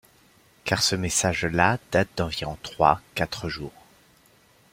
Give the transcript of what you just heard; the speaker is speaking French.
Car ce message-là date d’environ trois, quatre jours…